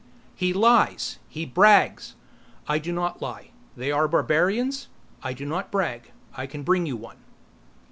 "He lies! He brags!" "I do not lie. They are barbarians. I do not brag. I can bring you one."